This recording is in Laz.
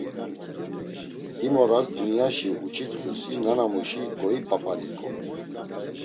Him oras Dunyaşi uç̌itxusi nanamuşi goip̌ap̌aniǩu.